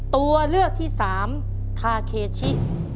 ตัวเลือกที่สามคาเคชิ